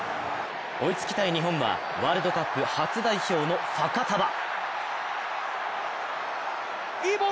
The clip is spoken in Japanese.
追いつきたい日本はワールドカップ初代表のファカタヴァ。